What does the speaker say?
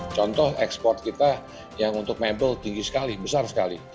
contoh ekspor kita yang untuk mebel tinggi sekali besar sekali